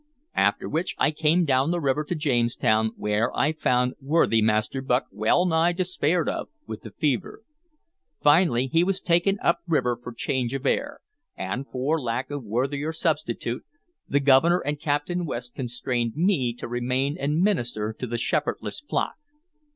After which I came down the river to Jamestown, where I found worthy Master Bucke well nigh despaired of with the fever. Finally he was taken up river for change of air, and, for lack of worthier substitute, the Governor and Captain West constrained me to remain and minister to the shepherdless flock.